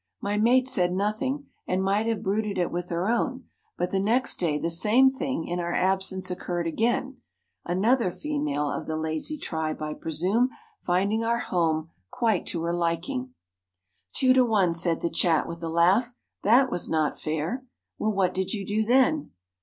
My mate said nothing, and might have brooded it with her own, but the next day the same thing, in our absence, occurred again; another female of the lazy tribe, I presume, finding our home quite to her liking." "Two to one," said the Chat with a laugh, "that was not fair. Well, what did you do then?"